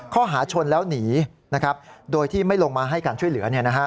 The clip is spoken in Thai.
ข้อหาชนแล้วหนีโดยที่ไม่ลงมาให้การช่วยเหลือ